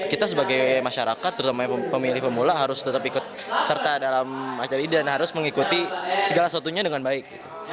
kita sebagai masyarakat terutama pemilih pemula harus tetap ikut serta dalam acara ini dan harus mengikuti segala suatunya dengan baik